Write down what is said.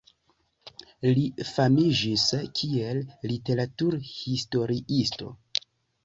Li famiĝis kiel literaturhistoriisto.